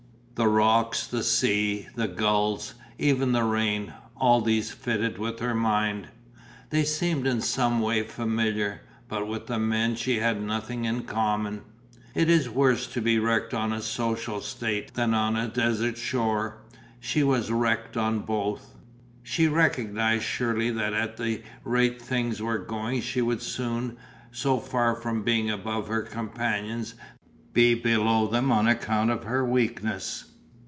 The rocks, the sea, the gulls, even the rain, all these fitted with her mind they seemed in some way familiar, but with the men she had nothing in common. It is worse to be wrecked on a social state than on a desert shore. She was wrecked on both. She recognised surely that at the rate things were going she would soon, so far from being above her companions, be below them on account of her weakness.